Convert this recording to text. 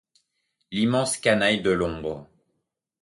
L’immense canaille de l’ombre.